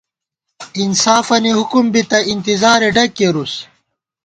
انصافَنی حُکُم بِتہ، اِنتِظارےڈگ کېرُوس